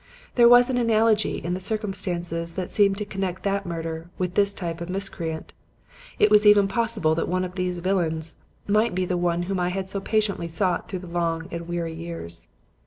There was an analogy in the circumstances that seemed to connect that murder with this type of miscreant. It was even possible that one of these very villains might be the one whom I had so patiently sought through the long and weary years.